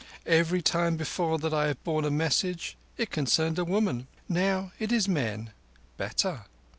Every time before that I have borne a message it concerned a woman. Now it is men. Better.